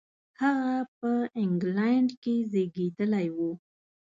هغه په انګلېنډ کې زېږېدلی و.